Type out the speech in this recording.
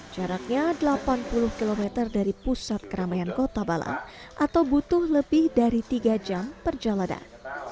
jaraknya delapan puluh km dari pusat keramaian kota balang atau butuh lebih dari tiga jam perjalanan